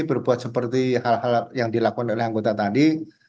berbuat seperti hal hal yang dilakukan oleh anggota tadi